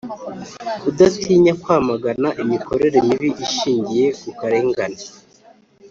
kudatinya kwamagana imikorere mibi ishingiye ku karengane